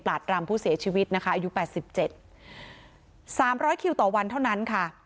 ตรำผู้เสียชีวิตนะคะอายุแปดสิบเจ็ดสามร้อยคิวต่อวันเท่านั้นค่ะ